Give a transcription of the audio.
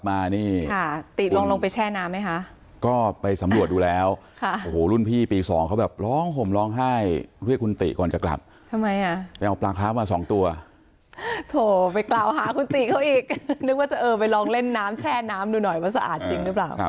ไม่มีอะไรร้ายแรง